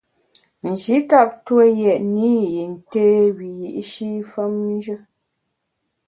Nji tap tue yètne i yin té wiyi’shi femnjù.